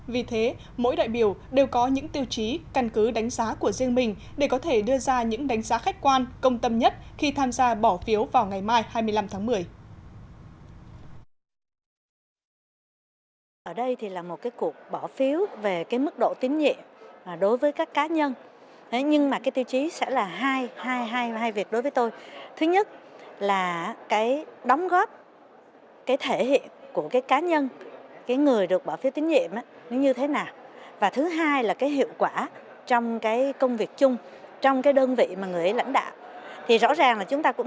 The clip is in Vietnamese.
vì thế mỗi đại biểu đều có những tiêu chí căn cứ đánh giá của riêng mình để có thể đưa ra những đánh giá khách quan công tâm nhất khi tham gia bỏ phiếu vào ngày mai hai mươi năm tháng một mươi